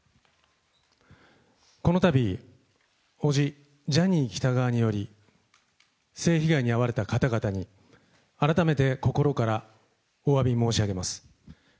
このたび、おじ、ジャニー喜多川により、性被害に遭われた方々に改めて心からおわび申し上げます。